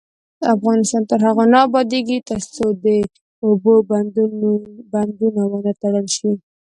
افغانستان تر هغو نه ابادیږي، ترڅو د اوبو بندونه ونه تړل شي.